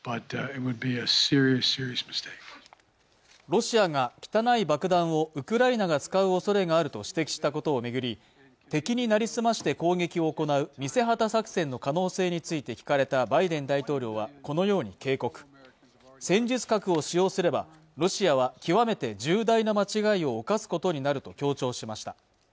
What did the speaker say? ロシアが汚い爆弾をウクライナが使う恐れがあると指摘したことを巡り敵になりすまして攻撃を行う偽旗作戦の可能性について聞かれたバイデン大統領はこのように警告戦術核を使用すればロシアは極めて重大な間違いを犯すことになると強調しました